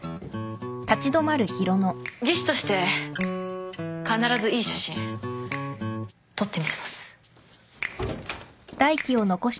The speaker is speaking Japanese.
技師として必ずいい写真撮ってみせます。